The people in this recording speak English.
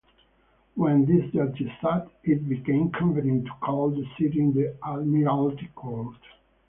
When these judges sat, it became convenient to call the sitting the "Admiralty Court".